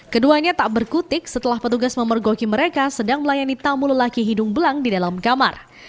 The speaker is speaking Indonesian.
keduanya tak berkutik setelah petugas memergoki mereka sedang melayani tamu lelaki hidung belang di dalam kamar